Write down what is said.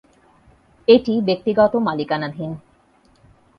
এটি ব্যক্তিগত মালিকানাধীন।